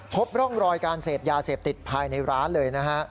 พบร่องรอยการเสพยาเสพติดภายในร้านเลยนะฮะ